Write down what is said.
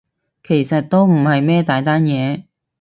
其實都唔係咩大單嘢